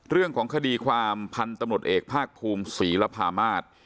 เรื่องของคดีความพันธุ์ตำรวจเอกภาคภูมิศรีรภามาศ